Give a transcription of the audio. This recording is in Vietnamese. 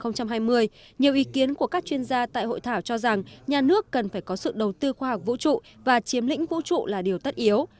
nhiều ý kiến của các chuyên gia tại hội thảo cho rằng nhà nước cần phải có sự đầu tư khoa học vũ trụ và chiếm lĩnh vũ trụ là điều tất yếu